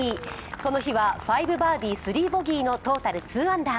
この日は５バーディー３ボギーのトータル２アンダー。